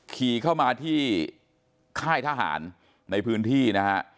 ขี่เข้ามาที่ค่ายทหารในพื้นที่นะฮะ